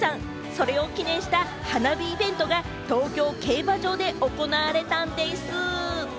それを記念した花火イベントが東京競馬場で行われたんでぃす。